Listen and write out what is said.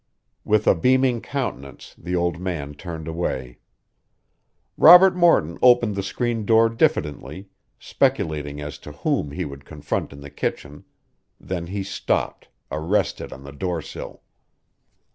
With a beaming countenance the old man turned away. Robert Morton opened the screen door diffidently, speculating as to whom he would confront in the kitchen; then he stopped, arrested on the doorsill.